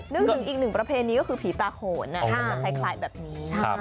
นึกถึงอีกหนึ่งประเพณีก็คือผีตาโขนมันจะคล้ายแบบนี้